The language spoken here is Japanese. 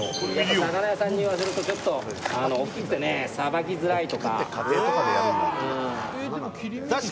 魚屋さんに言わせると、ちょっと大きくてさばきづらいと。